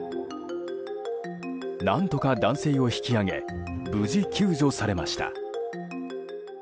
何とか男性を引き上げ無事救助されました。